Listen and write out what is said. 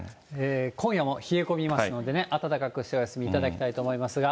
今夜も冷え込みますので、暖かくしてお休みいただきたいと思いますが。